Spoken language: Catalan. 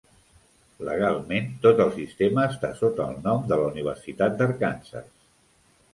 Legalment, tot el sistema està sota el nom de la Universitat d'Arkansas.